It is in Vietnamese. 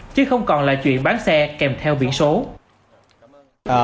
chứ không còn là chuyện bán xe kèm theo biển số